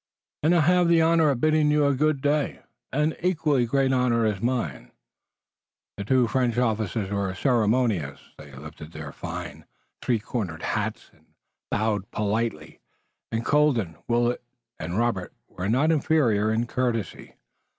"And I have the honor of bidding you good day." "An equally great honor is mine." The two French officers were ceremonious. They lifted their fine, three cornered hats, and bowed politely, and Colden, Willet and Robert were not inferior in courtesy.